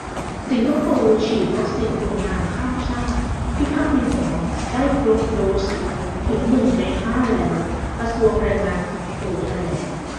สิงคโปร์ฉีดวัคซีนคนงานข้ามชาติที่พักในหอได้ครบโดสถึงหนึ่งในห้าแล้ว - กระทรวงแรงงานสิงคโปร์แถลง